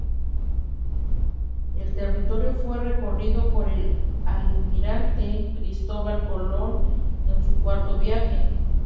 El territorio fue recorrido por el almirante Cristóbal Colón en su cuarto viaje.